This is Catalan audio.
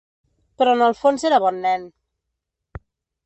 Però en el fons era bon nen.